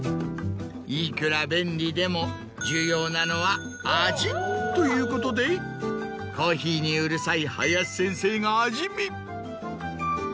いくら便利でも重要なのは味！ということでコーヒーにうるさい林先生が味見。